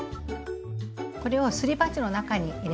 これをすり鉢の中に入れますね。